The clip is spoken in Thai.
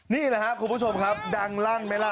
นี่ล่ะครับคุณผู้ชมดังลั่นไหมล่ะ